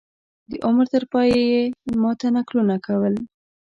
د عمر تر پایه یې ما ته نکلونه کول.